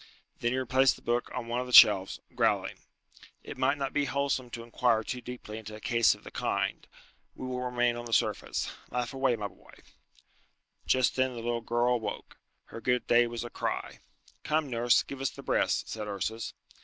Then he replaced the book on one of the shelves, growling. "It might not be wholesome to inquire too deeply into a case of the kind. We will remain on the surface. Laugh away, my boy!" Just then the little girl awoke. Her good day was a cry. "Come, nurse, give her the breast," said Ursus.